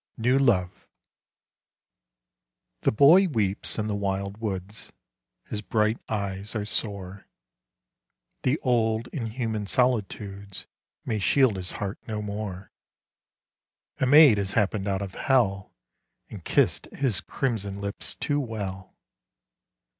NEW LOVE THE boy weeps in the wild woods, His bright eyes are sore, The old inhuman solitudes May shield his heart no more ; A maid has happened out of hell And kissed his crimson lips too well.